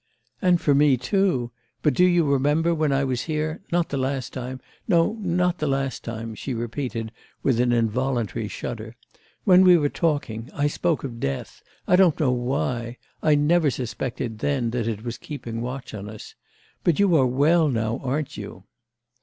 'And for me too! But do you remember, when I was here, not the last time no, not the last time,' she repeated with an involuntary shudder, 'when we were talking, I spoke of death, I don't know why; I never suspected then that it was keeping watch on us. But you are well now, aren't you?